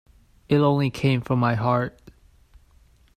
It only came from my heart.